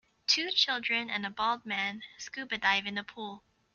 Two children and a bald man scuba dive in a pool.